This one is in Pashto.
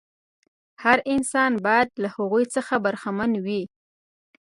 هر انسان باید له هغو څخه برخمن وي.